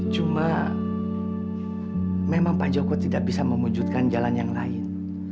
cuma memang pak joko tidak bisa mewujudkan jalan yang lain